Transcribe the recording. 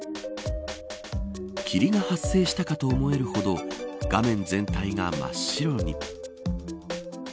霧が発生したかと思えるほど画面全体が真っ白に。